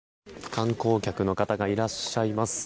観光客の方がいらっしゃいます。